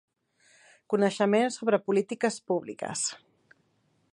Coneixement sobre Polítiques públiques.